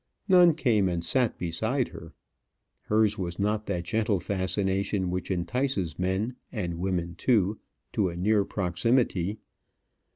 None came and sat beside her. Hers was not that gentle fascination which entices men, and women too, to a near proximity.